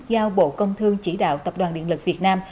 giao bộ công thương chỉ đạo tập đoàn điện lực việt nam